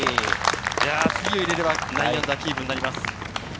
次を入れれば、−９キープになります。